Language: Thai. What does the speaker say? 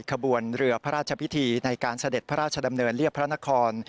ขบวนเรือพระราชพิธีในการเสด็จพระราชดำเนินเรียบพระนคร